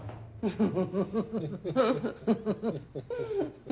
フフフ。